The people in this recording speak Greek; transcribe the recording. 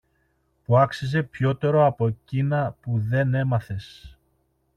που αξίζει πιότερο από κείνα που δεν έμαθες.